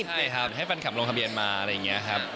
ใช่ครับให้แฟนคลับลงทะเบียนมาอะไรอย่างนี้ครับ